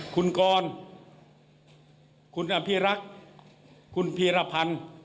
คุณกรคุณอภิรักษ์คุณพีรพันธ์